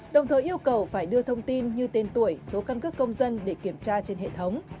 đồng thời yêu cầu phải đưa thông tin như tên tuổi số căn cước công dân để kiểm tra trên hệ thống